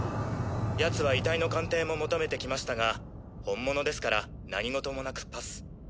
奴は遺体の鑑定も求めてきましたが本物ですから何事もなくパス。